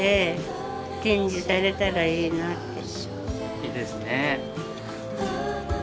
いいですね。